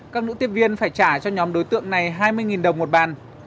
các nữ tiếp viên phải trả cho nhóm đối tượng này hai mươi đồng một bàn